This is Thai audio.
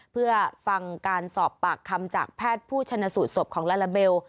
เพื่อฟังการสอบปากคำจากแพทย์ผู้ชนะสูตรศพของลาลาเบล